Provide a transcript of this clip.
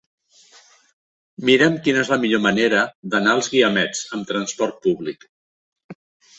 Mira'm quina és la millor manera d'anar als Guiamets amb trasport públic.